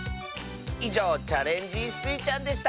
いじょう「チャレンジスイちゃん」でした！